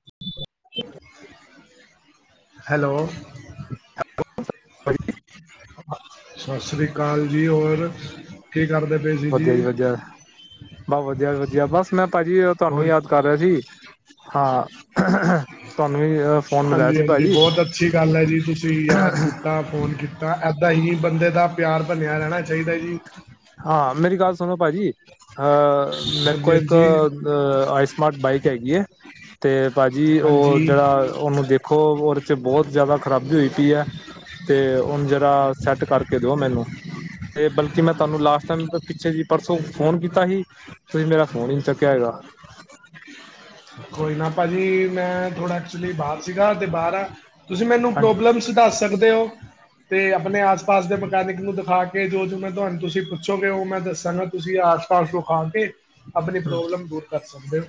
[unintelligible] Hello [unintelligible] ਸਸਰੀ ਕਾਲ ਜੀ ਹੋਰ ਕੀ ਕਰਦੇ ਪਏ ਸੀ ਵਧੀਆ ਜੀ ਵਧੀਆ ਬ ਵਧੀਆ ਵਧੀਆ ਬਸ ਮੈਂ ਭਾਜੀ ਤੁਹਾਨੂੰ ਹੋਰ ਯਾਦ ਕਰ ਰਿਹਾ ਸੀ ਹਾਂ ਤੁਹਾਨੂੰ ਈ ਫੋਨ ਮਿਲਿਆ ਹਾਂਜੀ ਸੀ ਹਾਂਜੀ ਭਾਜੀ ਬਹੁਤ ਅੱਛੀ ਗੱਲ ਹੈ ਜੀ ਤੁਸੀਂ ਯਾਦ ਕੀਤਾ ਫੋਨ ਕੀਤਾ ਇੱਦਾਂ ਹੀ ਬੰਦੇ ਦਾ ਪਿਆਰ ਬਣਿਆ ਰਹਿਣਾ ਚਾਹੀਦਾ ਜੀ ਹਾਂ ਮੇਰੀ ਗੱਲ ਸੁਣੋ ਭਾਜੀ ਅਹ ਮੇਰੇ ਕੋਲ ਹਾਂਜੀ ਇੱਕ ਹਾਂਜੀ ਆਈਸ ਮਾੱਦ ਬਾਈਕ ਹੈਗੀ ਏ, ਤੇ ਭਾਜੀ ਓ ਹਾਂਜੀ ਜੇੜਾ ਓਨੂੰ ਦੇਖੋ, ਓਦੇ ਤੇ ਬੋਤ ਜਾਦਾ ਖਰਾਬੀ ਹੋਈ ਪੀ ਐ। ਤੇ ਉਨ ਜਰਾ ਸੈੱਟ ਕਾਰਕੇ ਦੇਓ ਮੈਨੂੰ, ਤੇ ਬਲਕਿ ਮੈਂ ਤਾਨੂੰ ਲਾਸਟ ਟਾਈਮ, ਪਿੱਛੇ ਜੀ ਪਰਸੋਂ ਫੋਨ ਕੀਤਾ ਸੀ, ਤੂਸੀ ਮੇਰਾ ਫੋਨ ਈ ਨੀ ਚੱਕੇਆ ਹੈਗਾ। ਕੋਈ ਨਾ ਭਾਜੀ, ਮੈਂ ਥੋੜਾ ਐਕਚੁਲੀ ਬਾਰ ਸੀਗਾ, ਤੇ ਬਾਰ ਆਂ ਤੂਸੀ ਮੈਨੂੰ ਹਾਂਜੀ ਪ੍ਰੋਬਲਮ ਦਾੱਸ ਸਕਦੇ ਓ। ਤੇ ਅਪਨੇ ਆਸ-ਪਾਸ ਦੇ ਮਕੈਨਿਕ ਨੂੰ ਦਿਖਾ ਕੇ ਜੋ-ਜੋ ਮੈਂ ਤੁਆਨ, ਤੂਸੀ ਪੁੱਛੋਗੇ, ਓ ਮੈਂ ਦੱਸਾਂਗਾ। ਤੂਸੀ ਆਸ-ਪਾਸ ਦੂਕਾਨ ਤੇ ਅਪਨੀ ਪ੍ਰੋਬਲਮ ਦੂਰ ਕਰ ਸਕਦੇ ਓ।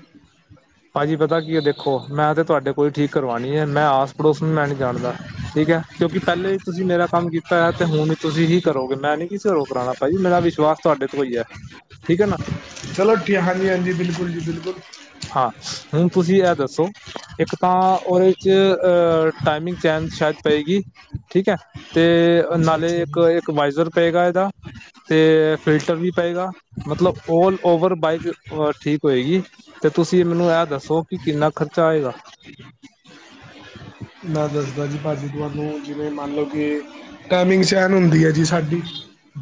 ਭਾਜੀ ਪਤਾ ਕੀ ਐ ਦੇਖੋ, ਮੈਂ ਤੇ ਤੂਆਡੇ ਕੋਲ ਈ ਠੀਕ ਕਰਵਾਨੀ ਏ, ਮੈਂ ਆਸ ਪੜੋਸ ਨੂੰ ਮੈਂ ਨੀ ਜਾਨਦਾ। ਠੀਕ ਐ, ਕਿਉਂਕਿ ਪ੍ਹੈਲੇ ਈ ਤੂਸੀ ਮੇਰਾ ਕਾੰਮ ਕੀਤਾ ਹੋਏਐ, ਤੇ ਹੁਣ ਤੂਸੀ ਹੀ ਕਰੋਗੇ, ਮੈਂ ਨੀ ਕਿਸੇ ਕੋ ਕਰਾਣਾ, ਭਾਜੀ ਮੇਰਾ ਵਿਸ਼ਵਾਸ ਤੂਆਡੇ ਤੋ ਈ ਐ, ਠੀਕ ਐ ਨਾ। ਚਲੋ ਠੀ, ਹਾਂਜੀ-ਹਾਂਜੀ ਬਿਲਕੁਲ ਜੀ ਬਿਲਕੁਲ। ਹਾਂ, ਹੁਨ ਤੂਸੀ ਐ ਦੱਸੋ ਇੱਕ ਤਾਂ ਓਦੇ ਚ ਅ ਟਾਈਮਿੰਗ ਚੇਨ ਸ਼ਾਏਦ ਪਏਗੀ, ਠੀਕ ਐ। ਤੇ ਅੱਛਾ ਨਾਲੇ ਅੱਛਾ ਜੀ ਇੱਕ-ਇੱਕ ਵਾਏਜ਼ਰ ਪਏਗਾ ਇਦਾ ਤੇ ਫਿਲਟਰ ਵੀ ਪਏਗਾ, ਮਤਲਬ ਔਲ ਓਵਰ ਬਾਈਕ ਅ ਠੀਕ ਹੋਏਗੀ। ਤੇ ਤੂਸੀ ਮੈਨੂੰ ਐ ਦੱਸੋ ਕਿ ਕਿੰਨਾ ਖਰਚਾ ਆਏਗਾ? ਮੈਂ ਦੱਸਦਾ ਜੀ ਭਾਜੀ ਤੂਆਨੂੰ ਜਿਵੇਂ ਮਾੰਨ ਲੋ ਕਿ ਟਾਈਮਿੰਗ ਚੈਨ ਹੁੰਦੀ ਐ ਜੀ ਸਾਡੀ।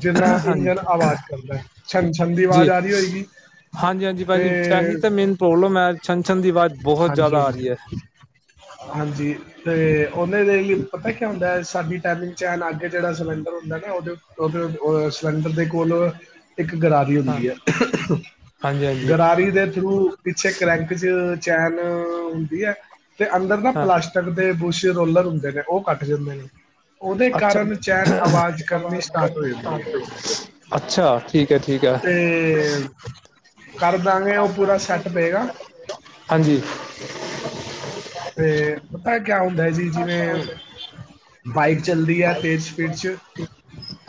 ਜਿੰਨਾ ਹਾਂਜੀ ਇੰਜਨ ਆਵਾਜ ਕਰਦੈ, ਛਨ-ਛਨ ਦੀ ਜੀ ਵਾਜ ਆ ਰੀ ਹੋਏਗੀ। ਹਾਂਜੀ ਹਾਂਜੀ ਤੇ, ਭਾਜੀ ਇਹੀ ਤਾਂ ਮੇਨ ਪ੍ਰੋਬਲਮ ਹੈ ਛਨ ਛਨ ਦੀ ਆਵਾਜ਼ ਬਹੁਤ ਜ਼ਿਆਦਾ ਆ ਹਾਂਜੀ-ਹਾਂਜੀ। ਰਹੀ ਹੈ ਹਾਂਜੀ। ਤੇ ਉਂਦੇ ਤੇ ਈ ਪਤਾ ਕੀ ਹੁੰਦੈ, ਸਾਡੀ ਟਾਈਮਿੰਗ ਚੈਨ ਆਗੇ ਜੇੜਾ ਸਿਲੰਡਰ ਹੁੰਦੈ ਨਾ, ਉਦੇ ਊ ਓਦੇ, ਅ ਸਿਲੰਡਰ ਦੇ ਕੋਲ ਇੱਕ ਗਰਾਰੀ ਹਾਂ ਹੁੰਦੀ ਐ, ਹਾਂਜੀ ਹਾਂਜੀ ਗਰਾਰੀ ਦੇ ਥਰੂ ਪਿੱਛੇ ਕਰੈਂਕ ਚ ਚੈਨ ਹੁੰਦੀ ਐ, ਤੇ ਅੰਦਰ ਨਾ ਹਾਂ ਪਲਾਸਟ ਟਕ ਦੇ ਬੂਸ਼ੇ ਰੋਲਰ ਹੁੰਦੇ ਨੇ, ਓ ਕਾੱਟ ਜਾਂਦੇ ਨੇ। ਓਦੇ ਅੱਛਾ ਕਾਰਨ ਚੈਨ ਅਵਾਜ ਕਰਨੀ ਸਟਾਰਟ ਹੋ ਜਾਂਦੀ ਏ। ਅੱਛਾ ਠੀਕ ਹੈ ਠੀਕ ਹੈ ਤੇ ਕਾਰ ਦਾਂਗੇ ਓ ਪੂਰਾ ਸੈਟ ਬਏਗਾ। ਹਾਂਜੀ। ਤੇ ਪਤਾ ਕੇਆ ਹੁੰਦੈ ਜੀ, ਜਿਵੇਂ ਬਾਈਕ ਚਲਦੀ ਐ ਤੇਜ ਸਪੀਡ ਚ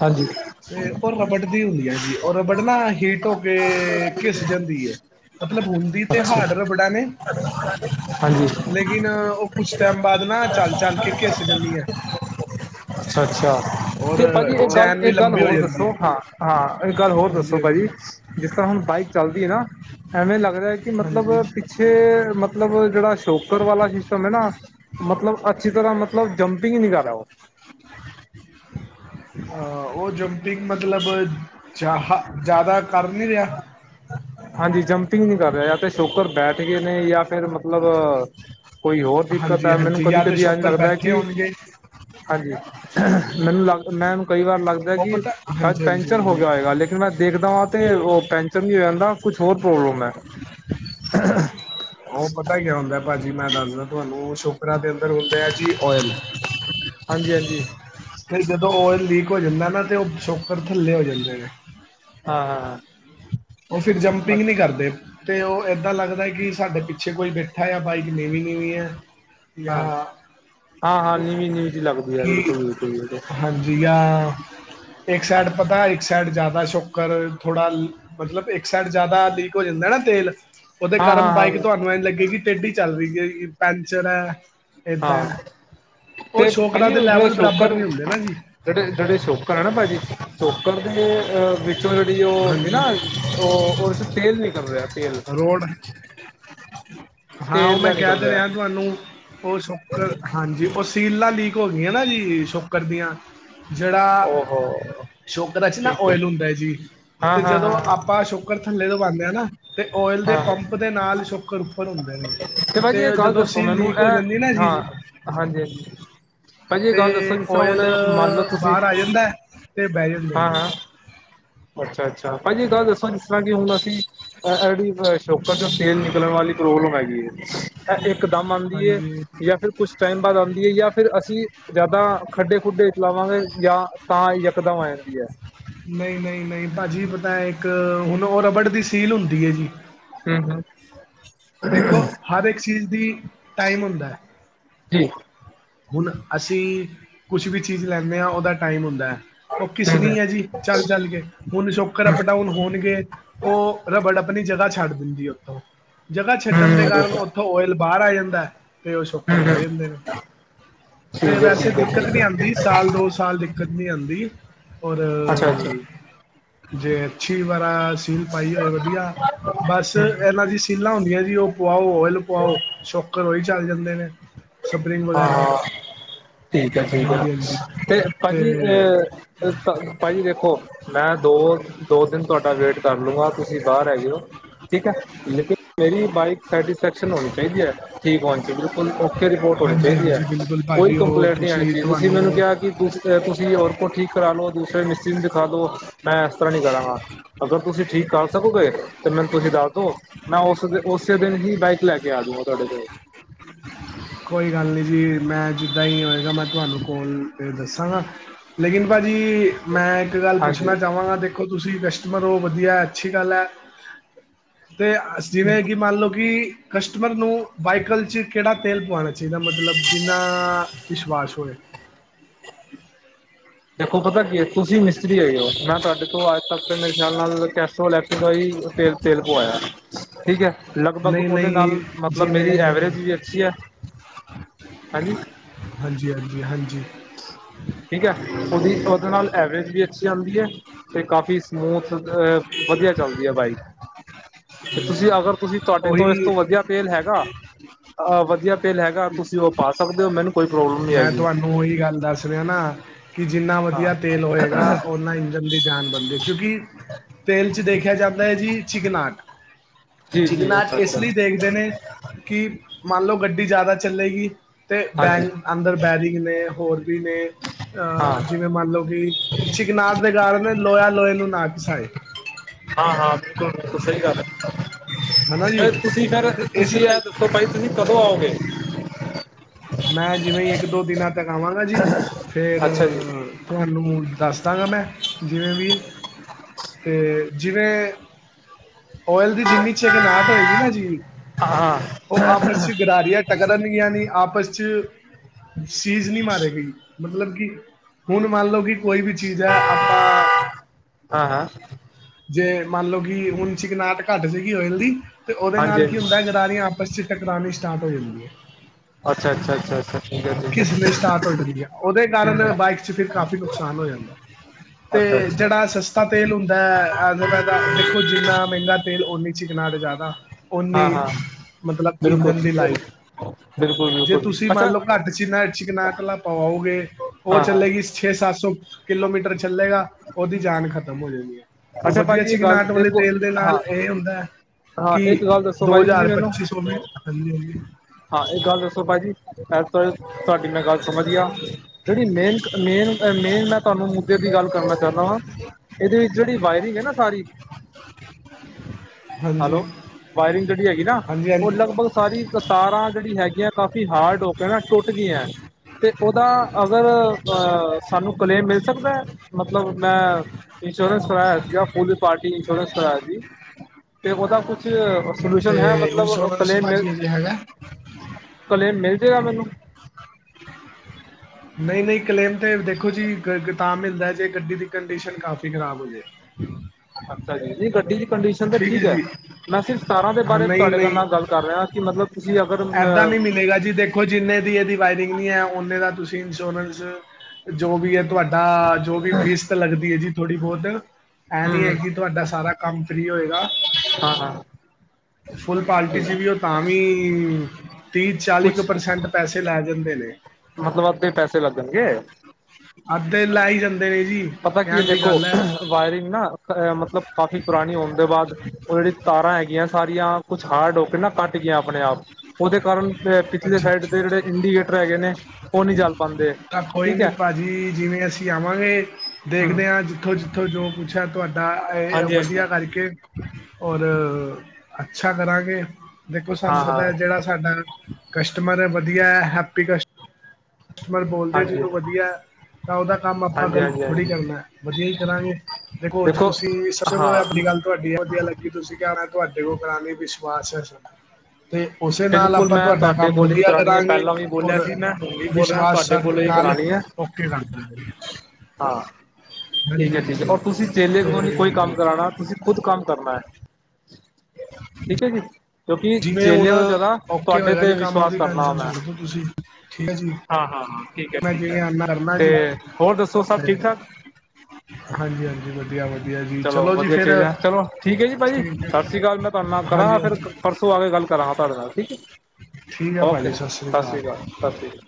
ਹਾਂਜੀ। ਤੇ ਉਹ ਰਬੜ ਦੀ ਹੁੰਦੀ ਐ ਜੀ, ਓ ਰਬੜ ਨਾ ਹੀਟ ਹੋ ਕੇ ਘਿੱਸ ਜਾਂਦੀ ਏ। ਮਤਲਬ ਹੁੰਦੀ ਤੇ ਅੱਛਾ ਹਾਰਡ ਰਬੜਾ ਨੇ। ਹਾਂਜੀ। ਲੇਕਿਨ ਓ ਕੁੱਛ ਟੈਮ ਬਾਦ ਨਾ ਚੱਲ-ਚੱਲ ਕੇ ਘਿਸ ਜਾਂਦੀਐਂ। ਅੱਛਾ-ਅੱਛਾ, ਤੇ ਭਾਜੀ ਔਰ ਏੱਕ ਗਾੱਲ ਚੈਨ ਏੱਕ ਵੀ ਇੱਕ ਗਾੱਲ ਲੰਬੀ ਹੋ ਹੋਰ ਜਾਂਦੀ ਦੱਸੋ ਹੈ ਹਾਂ, ਹਾਂ, ਇੱਕ ਗਾੱਲ ਹੋਰ ਹਾਂਜੀ ਦੱਸੋ ਹਾਂਜੀ ਭਾਜੀ, ਜਿਸ ਤਰਾਂ ਹੁਨ ਬਾਈਕ ਚੱਲਦੀ ਏ ਨਾ ਐਵੇਂ ਲੱਗ ਰੇਆ ਕਿ ਮਤਲਬ ਹਾਂਜੀ ਪਿੱਛੇ ਮਤਲਬ ਜੇੜਾ ਸ਼ੋਕਰ ਵਾਲਾ ਸਿਸਟਮ ਏ ਨਾ ਮਤਲਬ ਅੱਛੀ ਤਰਾਂ ਮਤਲਬ ਜੰਪਿੰਗ ਨੀ ਕਾਰ ਰੇਆ ਓ। ਅ ਓ ਜੰਪਿੰਗ ਮਤਲਬ ਚਾਹਾ, ਜਾਦਾ ਕਰ ਨੀ ਰੇਆ? ਹਾਂਜੀ, ਜੰਪਿੰਗ ਨੀ ਕਾਰ ਰੇਆ ਯਾ ਤੇ ਸੋ਼ਕਰ ਬੈਠ ਗਏ ਨੇ ਯਾ ਫੇਰ ਮਤਲਬ ਕੋਈ ਹੋਰ ਦਿੱਕਤ ਹਾਂਜੀ ਐ, ਮੈਨੂੰ ਹਾਂਜੀ ਜਾਂ ਤੇ ਕਦੀ-ਕਦੀ ਐਂਜ ਸ਼ੋਕਰ ਲੱਗਦੈ ਬੈਠੇ ਕਿ ਹੋਣਗੇ ਹਾਂਜੀ ਹਾਂ ਮੈਨੂੰ ਲੱਗ ਮੈਨੂੰ ਕਈ ਵਾਰ ਲੱਗਦਾ ਉਹ ਕਿ ਪਤਾ ਸ਼ਾਇਦ ਹਾਂਜੀ ਹਾਂਜੀ ਪੈਂਚਰ ਹੋ ਹਾਂਜੀ ਗਿਆ ਹੋਏਗਾ ਲੇਕਨ ਮੈਂ ਦੇਖਦਾ ਵਾਂ ਤੇ, ਉਹ ਪਨਚਰ ਨਹੀਂ ਹੋਇਆ ਹੁੰਦਾ ਕੁਛ ਹੋਰ ਪ੍ਰੋਬਲਮ ਹੈ। ਉਹ ਪਤਾ ਕਿਆ ਹੁੰਦਾ ਭਾਜੀ ਮੈਂ ਦੱਸਦਾ ਤੁਹਾਨੂੰ ਸ਼ੋਕਰਾ ਦੇ ਅੰਦਰ ਹੁੰਦੇ ਆ ਜੀ ਓਇਲ [unintelligible] ਹਾਂਜੀ ਹਾਂਜੀ, ਫਿਰ ਜਦੋਂ ਓਇਲ ਲੀਕ ਹੋ ਜਾਂਦਾ ਨਾ ਤੇ ਉਹ ਸ਼ੋਕਰ ਥੱਲੇ ਹੋ ਜਾਂਦੇ ਨੇ ਹਾਂ ਹਾਂ ਹਾਂ, ਉਹ ਫਿਰ ਜੰਪਿੰਗ ਅੱਛ ਨਹੀਂ ਕਰਦੇ। ਅਤੇ ਉਹ ਇੱਦਾਂ ਲੱਗਦਾ ਕਿ ਸਾਡੇ ਪਿੱਛੇ ਕੋਈ ਬੈਠਾ ਆ ਬਾਈਕ ਨੀਵੀਂ ਨੀਵੀਂ ਹੈ। ਹਾਂ ਜਾਂ ਹਾਂ ਹਾਂ ਨੀਵੀਂ ਨੀਵੀਂ ਜੀ ਲੱਗਦੀ ਹੈ, ਕੀ ਬਿਲਕੁਲ ਬਿਲਕੁਲ ਹਾਂਜੀ ਆ ਇੱਕ ਸਾਈਡ ਪਤਾ ਇੱਕ ਸਾਈਡ ਜ਼ਿਆਦਾ ਸ਼ੋਕਰ ਥੋੜ੍ਹਾ ਮਤਲਬ ਇੱਕ ਸਾਈਡ ਜ਼ਿਆਦਾ ਲੀਕ ਹੋ ਜਾਂਦਾ ਨਾ ਤੇਲ ਉਹਦੇ ਹਾਂ ਕਾਰਨ ਹਾਂ ਬਾਈਕ ਹਾਂ ਤੁਹਾਨੂੰ ਐਂ ਲੱਗੇਗੀ ਟੇਡੀ ਚੱਲ ਰਹੀ ਗ ਪੈਂਚਰ ਹੈ ਹਾਂ ਏਦਾਂ ਉਹ ਤੇ ਸ਼ੋਕਰਾਂ ਦੇ ਲੈਵਲ ਬਰਾਬਰ ਨੀ ਹੁੰਦੇ ਨਾ ਜੀ ਜਿਹੜੇ-ਜਿਹੜੇ ਸੋਕਰ ਹੈ ਨਾ ਭਾਜੀ ਸੋਕੜ ਦੇ ਵਿੱਚੋਂ ਉਹ ਜਿਹੜੀ ਉਹ ਹੁੰਦੀ ਹਾਂਜੀ ਨਾ ਉਹ ਉਹ ਚ ਤੇਲ ਨਿਕਲ ਰਿਹਾ ਤੇਲ ਰੋਡ ਹਾਂ ਉਹ ਤੇਲ ਜਾ ਮੈਂ ਕਹਿ ਨਿਕਲ ਤੇ ਰਿਹਾ ਤੁਹਾਨੂੰ ਉਹ ਸ਼ੋਕਰ ਹਾਂਜੀ ਉਹ ਸੀਲਾਂ ਲੀਕ ਹੋ ਗਈਆਂ ਨਾ ਜੀ ਸ਼ੋਕਰ ਦੀਆਂ ਜਿਹੜਾ ਓਹੋ ਸ਼ੋਕਰਾ ਚ' ਨਾ ਓਇਲ ਹੁੰਦਾ ਹੈ ਨਾ ਜੀ ਹਾਂ ਤੇ ਹਾਂ ਜਦੋਂ ਹਾਂ ਆਪਾਂ ਸ਼ੋਕਰ ਥੱਲੇ ਤੋਂ ਪਾਉਦੇ ਹਾਂ ਨਾ ਤੇ ਓਇਲ ਦੇ ਹਾਂ ਹਾਂ ਪੰਪ ਦੇ ਨਾਲ ਸ਼ੋਕਰ ਉੱਪਰ ਹੁੰਦੇ ਨੇ ਭਾਜੀ ਤੇ ਇਹ ਗੱਲ ਜਦੋਂ ਦੱਸੋ ਸੀਲ ਮੈਨੂੰ ਲੀਕ ਹੋ ਜਾਂਦੀ ਨਾ ਇਹ ਜੀ ਹਾਂ ਹਾਂਜੀ ਹਾਂਜੀ ਭਾਜੀ ਇਹ ਤੇ ਗੱਲ ਦੱਸੋ ਜਿਸ ਤਰ੍ਹਾਂ ਓਇਲ ਉਹਨੇ ਮੰਨ ਲਓ ਤੁਸੀਂ ਬਾਹਰ ਆ ਜਾਂਦਾ ਹੈ ਤੇ ਬਹਿ ਜਾਂਦੇ ਨੇ ਹਾਂ ਹਾਂ ਅੱਛਾ-ਅੱਛਾ ਭਾਜੀ ਇਕ ਗੱਲ ਦੱਸੋ ਜਿਸ ਤਰ੍ਹਾਂ ਕੀ ਹੁਣ ਅਸੀਂ ਇਹ ਜਿਹੜੀ ਸ਼ੋਕ ਚੋਂ ਤੇਲ ਨਿਕਲਣ ਵਾਲੀ ਪ੍ਰੌਬਲਮ ਹੈਗੀ ਏ। ਇਹ ਇੱਕ ਦਮ ਆਉਂਦੀ ਹੈ ਹਾਂਜੀ ਜਾਂ ਫਿਰ ਕੁਛ ਟਾਈਮ ਬਾਅਦ ਆਉਂਦੀ ਹੈ ਜਾਂ ਫਿਰ ਅਸੀਂ ਜਿਆਦਾ ਖੱਡੇ ਖੁੱਡੇ ਚਲਾਵਾਂਗੇ ਜਾਂ ਤਾਂ ਇਕਦਮ ਆ ਜਾਂਦੀ ਹੈ ਨਹੀਂ-ਨਹੀਂ-ਨਹੀਂ ਭਾਜੀ ਪਤਾ ਇੱਕ ਹੁਣ ਉਹ ਰਬੜ ਦੀ ਸੀਲ ਹੁੰਦੀ ਹੈ ਜੀ ਹਮ-ਹਮ ਦੇਖੋ ਹਰ ਇੱਕ ਚੀਜ਼ ਦੀ ਟਾਈਮ ਹੁੰਦਾ ਹੈ। ਜੀ ਹੁਣ ਅਸੀਂ ਕੁਛ ਵੀ ਚੀਜ਼ ਲੈਂਦੇ ਹਾਂ ਉਹਦਾ ਟਾਈਮ ਹੁੰਦਾ ਉਹ ਹੂੰ-ਹੂੰ, ਘਿਸਨੀ ਹੈ ਜੀ ਚੱਲ-ਚੱਲ ਕੇ ਹੁਨ ਸ਼ੋਕਰ ਅਪਡਾਊਨ ਹੋਣਗੇ ਉਹ ਰਬੜ ਆਪਣੀ ਜਗ੍ਹਾ ਛੱਡ ਦਿੰਦੀ ਉੱਥੋਂ ਜਗ੍ਹਾ ਛੱਡਣ ਦੇ ਹੂੰ-ਹੂੰ, ਕਾਰਨ ਉੱਥੋਂ ਓਇਲ ਬਾਹਰ ਆ ਜਾਂਦਾ ਹੈ ਤੇ' ਉਹ ਸ਼ੋਕਰ ਬਹਿ ਹੂੰ-ਹੂੰ ਜਾਂਦੇ ਨੇ ਤੇ ਠੀਕ ਹੈ, ਵੈਸੇ ਠੀਕ ਹੈ, ਦਿੱਕਤ ਠੀਕ ਨੀ ਹੈ ਆਉਂਦੀ ਸਾਲ ਦੋ ਸਾਲ ਦਿੱਕਤ ਨੀ ਆਉਂਦੀ ਔਰ ਅੱਛਾ-ਅੱਛਾ ਜੇ ਅੱਛੀ ਵਾਰਾ ਸੀਨ ਪਾਈ ਹੋਵੇ ਵਧੀਆ ਬਸ ਇਹਨਾਂ ਦੀ ਸੀ ਸੀਲਾ ਹੁੰਦੀਆਂ ਸੀ ਉਹ ਪੁਆਓ ਓਇਲ ਪੁਆਓ ਸ਼ੌਕਰ ਉਹੀ ਚੱਲ ਜਾਂਦੇ ਨੇ ਸਪਰਿੰਗ ਵਗੈਰਾ [inaudible] ਹਾਂ-ਹਾਂ ਠੀਕ ਹੈ-ਠੀਕ ਹੈ ਹਾਂਜੀ ਹਾਂਜੀ ਤੇ ਭਾਜੀ ਅਹ ਭਾਜੀ ਦੇਖੋ ਮੈਂ ਦੋ-ਦੋ ਦਿਨ ਤੁਹਾਡਾ ਵੇਟ ਕਰ ਲੂੰਗਾ ਤੁਸੀਂ ਬਾਹਰ ਹੈਗੇ ਹੋ ਠੀਕ ਹੈ ਲੇਕਿਨ ਤੇਰੀ ਬਾਈਕ ਸੈਟੀਸਫੈਕਸ਼ਨ ਹੋਣੀ ਚਾਹੀਦੀ ਹੈ। ਠੀਕ ਵਾਨਟ ਟੂ ਡੂ ਬਿਲਕੁਲ ਓਕੇੇ ਰਿਪੋਰਟ ਹੋਣੀ ਹਾਂਜੀ ਚਾਹੀਦੀ ਹੈ ਹਾਂਜੀ ਬਿਲਕੁਲ ਕੋਈ ਭਾਜੀ ਉਹ ਕੰਪਲੇਂਟ ਨਈਂ ਆਣੀ ਚਾਈ ਤੁਸੀਂ ਤੁਹਾਨੂੰ ਮੈਨੂੰ ਕਿਆ ਕਿ ਤੁਸੀਂ ਤੁਸੀਂ ਔਰ ਕੋ ਠੀਕ ਕਰਾ ਲੋ ਦੂਸਰੇ ਮਿਸ ਰੀ ਨੂੰ ਦਿਖਾ ਦੋ ਮੈਂ ਇਸ ਤਰ੍ਹਾਂ ਨ੍ਹੀਂ ਕਰਾਂਗਾ। ਅਗਰ ਤੁਸੀਂ ਠੀਕ ਕਰ ਸਕੋਗੇ ਤੇ ਮੈਨੂੰ ਤੁਸੀਂ ਦੱਸ ਦੋ। ਮੈਂ ਉਸ ਉਸੇ ਦਿਨ ਹੀ ਬਾਈਕ ਲੈ ਕੇ ਆਜੂਂਗਾ ਤੁਆਡੇ ਕੋਲ। ਕੋਈ ਗੱਲ ਨ੍ਹੀਂ ਜੀ ਮੈਂ ਜਿੱਦਾਂ ਈ ਹੋਏਗਾ ਮੈਂ ਤੁਆਨੂੰ ਕੋਲ ਤੇ ਦੱਸਾਂਗਾ। ਲੇਕਿਨ ਭਾਜੀ ਮੈਂ ਇੱਕ ਗੱਲ ਹਾਂਜੀ ਚਵਾਂਗਾ ਦੇਖੋ ਤੁਸੀਂ ਕਸਟਮਰ ਔ, ਵਧੀਆ ਅੱਛੀ ਗੱਲ ਐ ਤੇ ਅਸੀ ਜਿਵੇਂ ਕਿ ਮੰਨ ਲੋ ਕਿ ਕਸਟਮਰ ਨੂੰ ਬਾਈਕਲ ਚ ਕਿਹੜਾ ਤੇਲ ਪਵਾਉਣਾ ਚਾਈਦਾ ਮਤਲਬ ਜਿੰਨਾ, ਵਿਸ਼ਵਾਸ ਹੋਵੇ। ਦੇਖੋ ਪਤਾ ਕੀ ਐ ਤੁਸੀਂ ਮਿਸਤਰੀ ਹੈਏ ਔ ਮੈਂ ਤੁਆਡੇ ਤੋਂ ਅੱਜ ਤੱਕ ਮੇਰੇ ਖਿਆਲ ਨਾਲ ਕੈਸ ਸੋ ਇਲੈਕਟਰ ਦਾ ਈ ਤੇਲ ਤੇਲ ਪਵਾਇਆ ਠੀਕ ਐ? ਲਗਭਗ ਨਹੀਂ ਉਹਦੇ ਨਹੀਂ ਨਾਲ ਮਤਲਬ ਜਿਵੇਂ ਮੇਰੀ ਐਵਰੇਜ ਵੀ ਅੱਛੀ ਐ ਹਾਂਜੀ ਹਾਂਜੀ, ਹਾਂਜੀ, ਹਾਂਜੀ। ਠੀਕ ਐ, ਉਹਦੀ ਉਹਦੇ ਨਾਲ ਐਵਰੇਜ ਵੀ ਅੱਛੀ ਆਂਦੀ ਐ। ਅਤੇ ਕਾਫੀ ਸਮੂਥ ਅ ਵਧੀਆ ਚੱਲਦੀ ਐ ਬਾਈਕ। ਤੇ ਤੁਸੀਂ ਅਗਰ ਹਂ। ਤੁਸੀਂ ਤੁਹਾਡੇ ਤੋਂ ਇਸ ਤੋਂ ਵਧੀਆ ਤੇਲ ਹੈਗਾ? ਅਹ ਵਧੀਆ ਤੇਲ ਹੈਗਾ ਤੁਸੀਂ ਉਹ ਪਾ ਸਕਦੇ ਹੋ ਮੈਨੂੰ ਕੋਈ ਪ੍ਰੋਬਲਮ ਨਹੀਂ ਮੈਂ ਆਏਗੀ ਤੁਆਨੂੰ ਉਹੀ ਗੱਲ ਦੱਸ ਰਿਆ ਨਾਂ ਕਿ ਜਿੰਨਾ ਹਾਂ ਵਧੀਆ ਤੇਲ ਹੋਏਗਾ, ਓਨਾਂ ਇੰਜਣ ਦੀ ਜਾਨ ਬਣਦੀ। ਕਿਉਂਕਿ ਤੇਲ ਚ ਦੇਖਿਆ ਜਾਂਦਾ ਐ ਜੀ ਚਿਕਨਾਟ। ਜੀ ਜੀ ਚਿਗਨਾਟ ਅੱਛਾ ਇਸ ਅੱਛਾ ਲਈ ਦੇਖਦੇ ਨੇ ਕਿ ਮੰਨ ਲਓ ਗੱਡੀ ਜ਼ਿਆਦਾ ਚੱਲੇਗੀ ਤੇ ਹਾਂਜੀ ਬੈਲ ਅੰਦਰ ਬੈਰਿੰਗ ਨੇ, ਹੋਰ ਵੀ ਨੇ ਹਾਂ ਜਿਵੇਂ ਮੰਨ ਲਓ ਕਿ ਚਿਕਨਾਟ ਦੇ ਕਾਰਨ ਲੋਆ ਲੋਹੇ ਨੂੰ ਨਾ ਘਿਛਾਏ। ਹਾਂ, ਹਾਂ ਬਿਲਕੁਲ ਬਿਲਕੁਲ ਸਹੀ ਗੱਲ ਹਨਾ ਜੀ ਐ, ਤੁਸੀਂ ਫਿਰ ਤੇ ਇਸ ਤੁਸੀਂ ਲਈ ਇਹ ਫਿਰ ਭਾਈ ਤੁਸੀਂ ਕਦੋਂ ਆਓਗੇ? ਮੈਂ ਜਿਵੇਂ ਈ ਇੱਕ-ਦੋ ਦਿਨਾਂ ਤੱਕ ਆਵਾਂਗਾ ਜੀ ਫਿਰ ਅੱਛਾ ਜੀ ਤੁਹਾਨੂੰ ਦੱਸਦਾਂਗਾ ਮੈਂ, ਜਿਵੇਂ ਵੀ ਏ ਤੇ ਜਿਵੇਂ ਓਇਲ ਦੀ ਜਿੰਨੀ ਚਿਕਨਾਟ ਹੋਏਗੀ ਨਾ ਜੀ ਹਾਂ ਹਾਂ ਉਹ ਆਪਸ ਚ ਗਰਾਰੀਆਂ ਟਕਰਨਗੀਆਂ ਨੀ ਆਪਸ ਚ ਸ਼ੀਜ਼ ਨ੍ਹੀਂ ਮਾਰੇਗੀ। ਮਤਲਬ ਕਿ ਹੁਣ ਮੰਨ ਲਓ ਕਿ ਕੋਈ ਵੀ ਚੀਜ਼ ਐ ਆਪਾਂ ਹਾਂ, ਹਾਂ। ਜੇ ਮੰਨ ਲਓ ਕਿ ਹੁਣ ਚੀਕਨਾਟ ਘੱਟ ਜੇਗੀ ਓਇਲ ਦੀ ਤੇ ਉਹਦੇ ਹਾਂਜੀ ਨਾਲ ਕੀ ਹੁੰਦਾ ਹੈਗਾ ਗਰਾਰੀਆਂ ਆਪਸ ਚ ਤਕਰਾਨ ਲਈ ਸਟਾਰਟ ਹੋ ਜਾਂਦੀ ਐ। ਅੱਛਾ, ਅੱਛਾ, ਅੱਛਾ, ਅੱਛਾ। ਠੀਕ ਹੈ ਠੀਕ ਹੈ ਘਿਸਨੀ ਸਟਾਰਟ ਹੋ ਜਾਂਦੀ ਐ ਉਹਦੇ ਹਮ ਕਾਰਨ ਬਾਈਕ ਚ ਫਿਰ ਕਾਫੀ ਨੁਕਸਾਨ ਹੋ ਜਾਂਦਾ। ਤੇ ਅੱਛਾ ਅੱਛਾ ਜੇੜਾ ਸਸ ਸਸਤਾ ਤੇਲ ਹੁੰਦਾ ਐ ਵੈਦਾ ਦੇਖੋ ਜਿੰਨਾ ਮਹਿੰਗਾ ਤੇਲ ਓਨੀ ਚਿਕਣਾਟ ਜ਼ਿਆਦਾ। ਹਾਂ ਓਨੀਂ ਹਾਂ ਮਤਲਬ ਬਿਲਕੁਲ ਇੰਜਨ ਦੀ ਬਿਲਕੁਲ ਲਾਈਫ ਜੇ ਬਿਲਕੁਲ ਤੁਸੀਂ ਮੰਨ ਅੱਛਾ ਲਓ ਘੱਟ ਚਿਨਾਟ ਚਿਕਨਾਟ ਵਾਲਾ ਪਵਾਓਗੇ ਉਹ ਹਾਂ ਹਾਂ ਚਲੇੇਗੀ ਛੇ ਸੱਤ ਸੌ ਕਿਲੋਮੀਟਰ ਚੱਲੇਗਾ ਉਹਦੀ ਜਾਨ ਖ਼ਤਮ ਹੋ ਜੇਗੀ। ਉਹ ਅੱਛਾ ਵਧੀਆ ਭਾਜੀ ਇਹ ਗੱਲ ਚਿਕਨਾਹਟ ਵਾਲੇ ਇੱਕ ਤੇਲ ਦੇ ਹਾਂ ਨਾਲ ਇਹ ਹੁੰਦਾ ਐ ਹਾਂ ਕਿ ਇੱਕ ਗੱਲ ਦੱਸੋ ਦੋ ਭਾਜੀ ਤੁਸੀਂ ਹਜ਼ਾਰ ਮੈਨੂੰ ਪੱਚੀ ਸੌ ਮੇਂ ਹਾਂ ਇੱਕ ਗੱਲ ਦੱਸੋ ਭਾਅ ਜੀ। ਤੁਆਡੀ ਮੈਂ ਗੱਲ ਸਮਝ ਗੇਆ, ਜੇੜੀ ਮੇਨ-ਮੇਨ-ਮੇਨ ਮੈਂ ਤਾਨੂੰ ਮੁੱਦੇ ਦੀ ਗੱਲ ਕਰਨਾ ਚਾਂਨਾ ਵਾਂ ਏਦੇ ਵਿਚ ਜੇੜੀ ਵਾਇਰਿੰਗ ਐ ਨਾ ਸਾਰੀ ਹਾਂਜੀ ਹੈਲੋ, ਵਾਇਰਿੰਗ ਜੇੜੀ ਹੈਗੀ ਨਾ ਹਾਂਜੀ ਹਾਂਜੀ ਓ ਲ ਲਗਭਗ ਸਾਰੀ ਕ ਤਾਰਾਂ ਜੇੜੀ ਹੈਗੀਆਂ ਕਾਫੀ ਹਾਰਡ ਹੋ ਕੇ ਨਾ ਟੁੱਟ ਗੀਆਂ। ਤੇ ਓਦਾ ਅਗਰ ਅਹ ਸਾਨੂੰ ਕਲੇਮ ਮਿਲ ਸਕਦੈ ਮਤਲਬ ਮੈਂ ਕਰਾਏਆ ਸੀਗਾ ਫੂਲੀ ਪਾਰਟੀ ਇੰਸ਼ੋਰੈਂਸ ਕਰਾਏਆ ਸੀ। ਤੇ ਓਦਾ ਕੁਛ ਸੋਲਿਊਸ਼ਨ ਹੈ ਤੇ ਮਤਲਬ ਓ ਇੰਸ਼ੋਰੈਂਸ ਕਲੇਮ ਮਿਲ ਭਾਜੀ ਹਜੇ ਹੈਗਾ ਕਲੇਮ ਮਿਲਜੇਗਾ ਮੈਨੂੰ। ਨਈ-ਨਈ ਕਲੇਮ ਤੇ ਦੇਖੋ ਜੀ ਤਾਂ ਮਿਲਦੈ ਜੇ ਗੱਡੀ ਦੀ ਕੰਡੀਸ਼ਨ ਕਾਫੀ ਖਰਾਬ ਹੋਜੇ। ਅੱਛਾ ਜੀ, ਨਈ ਗੱਡੀ ਦੀ ਕੰਡੀਸ਼ਨ ਤਾਂ ਹੈ ਠੀਕ ਐ, ਜੀ, ਮੈਂ ਸਿਰਫ ਤਾਰਾਂ ਦੇ ਹਾਂ ਬਾਰੇ ਤੁਆਡੇ ਨਾਲ ਗੱਲ ਕਰ ਰਿਆਂ ਕੀ ਮਤਲਬ ਤੁਸੀਂ ਅਗਰ ਅ ਐਦਾਂ ਨੀ ਮਿਲੇਗਾ ਜੀ ਦੇਖ ਦੇਖੋ ਜਿੰਨੇ ਦੀ ਏਦੀ ਵਾਇਰਿੰਗ ਨੀ ਐ ਓਨੇ ਦਾ ਤੁਸੀਂ ਇੰਸ਼ੋਰੈਂਸ ਜੋ ਵੀ ਐ ਤੁਆਡਾ ਜੋ ਵੀ ਫੀਸ ਤਾਂ ਲੱਗਦੀ ਐ ਜੀ ਥੋੜ੍ਹੀ ਬੋਤ, ਐਹ ਨੀ ਹਮ ਹੈਗੀ ਕੀ ਤੁਆਡਾ ਸਾਰਾ ਕੰਮ ਫਰੀ ਹੋਏਗਾ। ਹਾਂ ਹਾਂ ਫੁੱਲ ਪਾਲਟੀ ਠੀਕ ਜੀ ਵੀ ਓ ਤਾਂਵੀ ਤੀਹ ਚਾਲੀ ਕ ਕੁਛ ਪਰਸੈਂਟ ਪੈਸੇ ਲੈ ਜਾਂਦੇ ਨੇ। ਮਤਲਬ ਅੱਦੇ ਪੈਸੇ ਲੱਗਨਗੇ। ਅੱਦੇ ਲੈ ਈ ਜਾਂਦੇ ਨੇ ਜੀ। ਪਤਾ ਕੀ ਐ ਕਹਿਣ ਦੀ ਦੇਖੋ ਗੱਲ ਹੈ। ਵਾਇਰਿੰਗ ਨਾ ਅ ਮਤਲਬ ਕਾਫੀ ਪੁਰਾਨੀ ਹੋਨ ਦੇ ਬਾਦ ਓ ਜੇੜੀ ਤਾਰਾਂ ਹੈਗੀਆਂ ਸਾਰੀਆਂ ਕੁਛ ਹਾਰਡ ਹੋ ਕੇ ਨਾ ਕੱਟ ਗੀਆਂ ਆਪਨੇ ਆਪ। ਓਦੇ ਕਾਰਨ ਪਿਛਲੇ ਅੱਛਾ, ਸਾਈਡ ਅੱਛਾ, ਦੇ ਜੇੜੇ ਅੱਛਾ। ਇੰਡੀਗੇਟਰ ਹੈਗੇ ਨੇ ਓ ਨੀ ਚਲ ਪਾਂਦੇ। ਦਾ ਕੋਈ ਵੀ ਪਾ ਜੀ ਜਿਵੇਂ ਅਸੀਂ ਅਸੀਂ ਆਵਾਂਗੇ ਹਮ ਦੇਖਦੇ ਆਂ ਜਿੱਥੋਂ-ਜਿੱਥੋਂ ਜੋ ਕੁੱਛ ਐ ਤੁਆਡਾ ਐ ਹਾਂਜੀ ਹਾਂਜੀ ਵਦੀਆ ਕਰਕੇ ਔਰ ਅੱਛਾ ਕਰਾਂਗੇ ਦੇਖੋ ਸਾਨੂੰ ਹਾਂ ਹਾਂ ਪਤਾ ਐ ਜੇੜਾ ਸਾਡਾ ਕਸਟਮਰ ਐ ਵਦੀਆ ਐ ਹੈਪੀ ਕਸਟ ਕਸਟਮਰ ਬੋਲਦੇ ਹਾਂਜੀ ਜਿਨੂੰ ਵਦੀਐ ਤਾਂ ਓਦਾ ਕੰਮ ਆਪਾਂ ਹਾਂਜੀ ਗਲਤ ਹਾਂਜੀ ਥੋੜ੍ਹੀ ਹਾਂਜੀ ਕਰਨੈ ਵਦੀਆ ਈ ਕਰਾਂਗੇ। ਦੇਖੋ ਓ ਚ ਤੁਸੀਂ ਸਬਸੇ ਹਾਂ ਪੈਲੇ ਆਪਡੀ ਗੱਲ ਤੁਹਾਡੀਆਂ ਵਦੀਆ ਲੱਗੀ ਤੁਸੀਂ ਕਿਆ ਹੋਨਾ ਤੁਆਡੇ ਕੋਲ ਕਰਾਨੀ ਐ ਵਿਸ਼ਵਾਸ ਐ ਸੋਡਾ। ਤੇ ਉਸੇ ਨਾਲ ਬਿਲਕੁਲ ਆਪਾਂ ਮੈਂ ਤੁਆਡਾ ਤੁਹਾਡੇ ਕੰਮ ਕੋਲ ਹੀ ਵਧੀਆ ਕਰਾਉਣੀ ਹੈ ਕਰਾਂਗੇ ਪਹਿਲਾਂ ਵੀ ਬੋਲਿਆ ਔਰ ਸੀ ਮੈਂ ਹੁਣ ਵੀ ਬੋਲ ਰਿਹਾ ਵਿਸ਼ਵਾਸ ਤੁਹਾਡੇ ਸ਼ ਕੋਲ ਹੀ ਨਾਲ ਕਰਾਉਣੀ ਹੈ ਓਕੇ ਕਰਦਾਂਗੇ। ਹਾਂ ਠੀਕ ਐ-ਠੀਕ ਐ ਹਾਂਜੀ ਔਰ ਤੁਸੀਂ ਚੇਲੇ ਕੋਲੋਂ ਜੇ ਕੋਈ ਕੰਮ ਤੇ ਕਰਾਨਾ ਤੁਸੀਂ ਖੁਦ ਕੰਮ ਕਰਨਾ ਐ, ਠੀਕ ਐ ਜੀ ਕਿਓਂਕਿ ਜਿਵੇਂ ਹੁਣ ਚੇਲੇਆਂ ਜ਼ਾਦਾ ਓਕੇ ਤੁਆਡੇ ਹੋਏਗਾ ਤੇ ਜੀ ਕੰਮ ਵਿਸ਼ਵਾਸ ਉਹਦੀ ਕਰਨਾ ਟੈਨਸ਼ਨ ਵਾ ਮੈਂ ਛੱਡ ਦੋ ਤੁਸੀਂ ਠੀਕ ਹੈ ਜੀ ਹਾਂ-ਹਾਂ-ਹਾਂ। ਠੀਕ ਮੈਂ ਐ-ਠੀਕ ਐ ਜਿਵੇਂ ਆਨਾ ਕਰਨਾ ਤੇ ਜੀ ਹੋਰ ਦੱਸੋ ਸਭ ਤੇ ਠੀਕ-ਠਾਕ। ਹਾਂਜੀ ਹਾਂਜੀ ਵਧੀਆ ਵਧੀਆ ਜੀ ਚਲੋ ਜੀ ਵਦੀਆ ਫਿਰ ਚਈਦੈ ਚਲੋ ਠੀਕ ਐ ਜੀ ਭਾਜੀ ਠੀਕ ਸਸ ਰੀ ਹੈ ਕਾਲ ਮੈਂ ਤਾਡੇ ਨਾਲ ਕਰਾਂ ਫਿਰ ਪਰਸੋਂ ਓਥੋਂ ਆ ਕੇ ਗੱਲ ਕਰਾਂਗਾ ਹਾਂ ਤੁਹਾਡੇ ਠੀਕ ਓਕੇ ਸ੍ਰੀ ਸਸ ਰੀ ਅਕਾਲ ਕਾਲ ਸਸ ਰੀ ਕਾਲ।